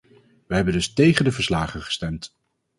We hebben dus tegen de verslagen gestemd.